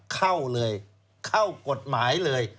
เข้าเลยเข้ากฎหมายเลย